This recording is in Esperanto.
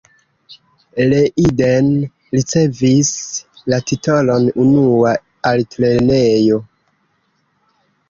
Leiden ricevis la titolon 'unua' altlernejo.